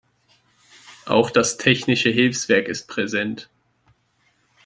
Auch das Technische Hilfswerk ist präsent.